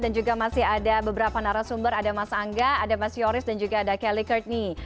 dan juga masih ada beberapa narasumber ada mas angga ada mas yoris dan juga ada kelly courtney